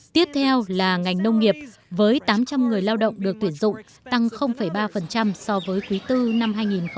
tiếp theo là ngành nông nghiệp với tám trăm linh người lao động được tuyển dụng tăng ba so với quý bốn năm hai nghìn một mươi tám